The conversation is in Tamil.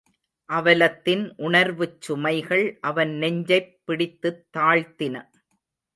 அவலத்தின் உணர்வுச் சுமைகள் அவன் நெஞ்சைப் பிடித்துத் தாழ்த்தின.